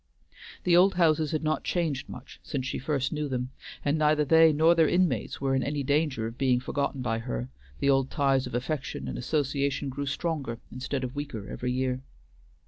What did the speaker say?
The old houses had not changed much since she first knew them, and neither they nor their inmates were in any danger of being forgotten by her; the old ties of affection and association grew stronger instead of weaker every year.